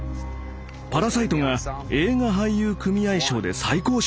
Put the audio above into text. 「パラサイト」が映画俳優組合賞で最高賞を取ったんだ。